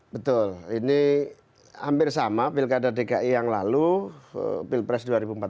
betul ini hampir sama pilkada dki yang lalu pilpres dua ribu empat belas